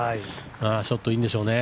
ショット、いいんでしょうね。